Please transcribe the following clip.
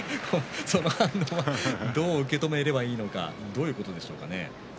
その反応はどう受け止めればどういうことなんでしょうね。